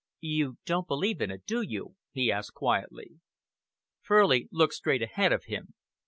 "You don't believe in it, do you?" he asked quietly. Furley looked straight ahead of him.